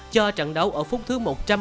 cho trận đấu ở phút thứ một